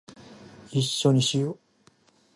一緒にしよ♡